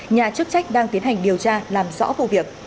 nhà chức trách đang tiến hành điều tra làm rõ vụ việc